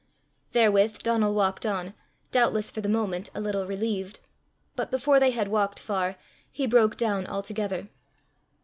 Therewith Donal walked on, doubtless for the moment a little relieved. But before they had walked far, he broke down altogether.